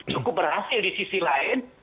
cukup berhasil di sisi lain